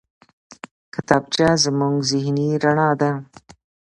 کتابچه زموږ ذهني رڼا ده